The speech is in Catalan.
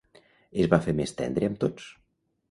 Es va fer més tendre amb tots.